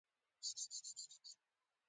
هېواد کې به ډېر زر د ټرېن خدمتونه پېل شي